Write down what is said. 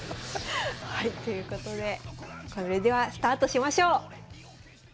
はいということでそれではスタートしましょう。